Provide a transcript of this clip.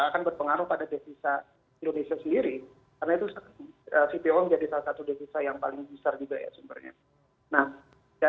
akan berpengaruh pada devisa indonesia sendiri karena itu cpo menjadi salah satu devisa yang paling besar juga ya sumbernya